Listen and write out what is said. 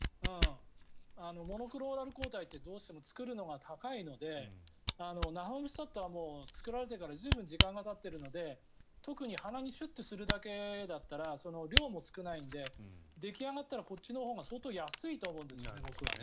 モノクローナル抗体ってどうしても作るのが高いのでナファモスタットは作られてから随分時間がたっているので特に鼻にシュッとするだけだったら量も少ないので出来上がったらこっちのほうが相当安いと思うんですよね。